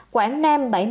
quảng nam bảy mươi